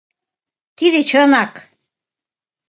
Тиде чынак.